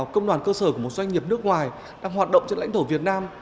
công đoàn cơ sở của một doanh nghiệp nước ngoài đang hoạt động trên lãnh thổ việt nam